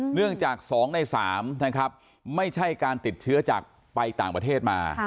เนื่องจาก๒ใน๓นะครับไม่ใช่การติดเชื้อจากไปต่างประเทศมา